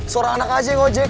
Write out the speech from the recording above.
seorang anak aja yang nge ojek